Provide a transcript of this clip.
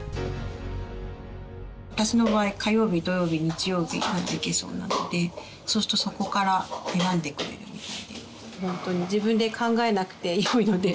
私の場合火曜日土曜日日曜日なら行けそうなのでそうするとそこから選んでくれるみたいで。